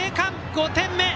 ５点目。